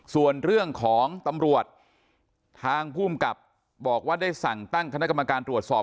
ส่วนเรื่องของตำรวจทางภูมิกับบอกว่าได้สั่งตั้งคณะกรรมการตรวจสอบ